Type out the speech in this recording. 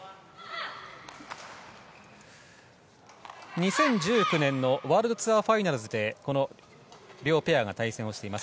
２０１９年のワールドツアー・ファイナルズでこの両ペアが対戦をしています。